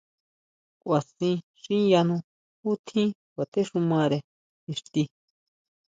Kʼuasin xiyano ju tjín kjuatéxumare ixti.